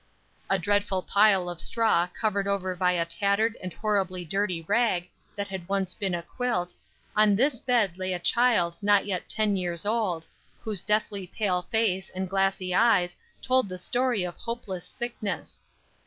A dreadful pile of straw covered over by a tattered and horribly dirty rag that had once been a quilt, on this bed lay a child not yet ten years old, whose deathly pale face and glassy eyes told the story of hopeless sickness.